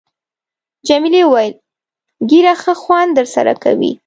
جميلې وويل:، ږیره ښه خوند در سره کوي.